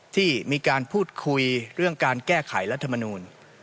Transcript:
ที่มีการพูดคุยเรื่องการแก้ไขรัฐมนูล